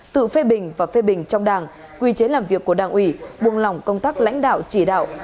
tự phê bình và phê bình trong đảng quy chế làm việc của đảng ủy buông lỏng công tác lãnh đạo chỉ đạo